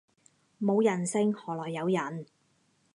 冇人性何來有人